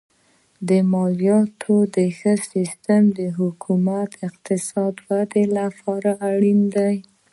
د مالیاتو ښه سیستم د حکومت د اقتصادي ودې لپاره اړین دی.